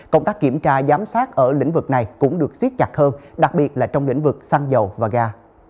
công tác kiểm tra giám sát ở lĩnh vực này cũng được xiết chặt hơn đặc biệt là trong lĩnh vực xăng dầu và ga